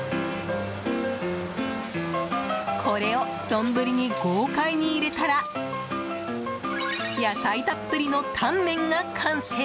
これを丼に豪快に入れたら野菜たっぷりのタンメンが完成。